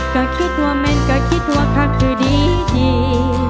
ก็คิดว่าแม่นก็คิดว่าค่ะคือดีดี